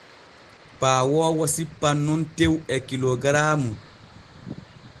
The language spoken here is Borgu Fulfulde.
Paawoowo sippan nun tew e kilogaraamu.